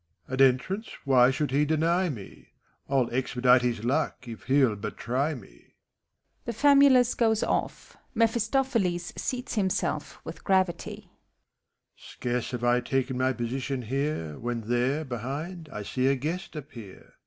MEPHISTOPHELES. An entrance why should he deny met 111 expedite his luck, if hell but try me! (The Famulus goes off: Mephitopheles seats himself with gravity.) Scarce have I taken my position here, When there, behind, I see a guest appear.